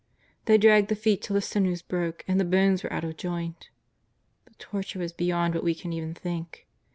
They dragged the feet till the sinews broke and the bones were out of joint. The torture was beyond what we can even think.